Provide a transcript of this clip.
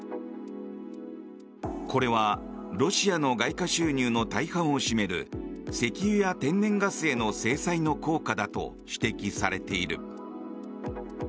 これは、ロシアの外貨収入の大半を占める石油や天然ガスへの制裁の効果だと指摘されている。